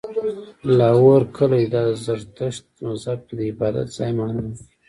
لاهور کلی دی، دا د زرتښت مذهب کې د عبادت ځای معنا ورکوي